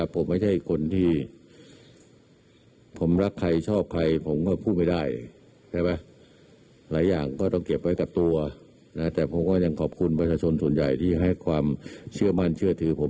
ประชาชนส่วนใหญ่ที่ให้ความเชื่อมั่นเชื่อถือผม